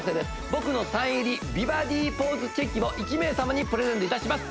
僕のサイン入り美バディポーズチェキを１名様にプレゼントいたします